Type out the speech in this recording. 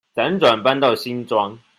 輾轉搬到新莊